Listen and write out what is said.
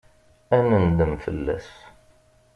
Ad nendem fell-as.